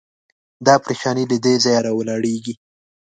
دا پرېشاني له دې ځایه راولاړېږي.